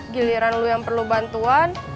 giliran lu yang perlu bantuan